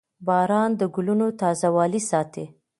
• باران د ګلونو تازهوالی ساتي.